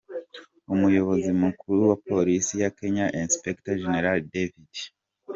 Umuyobozi mukuru wa Polisi ya Kenya Inspector General David M.